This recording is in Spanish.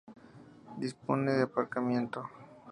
Dispone de aparcamiento